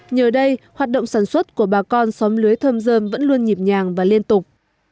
nhờ đây hoạt động sản xuất của bà con xóm lưới thơm dơm vẫn luôn nhịp nhàng và liên tục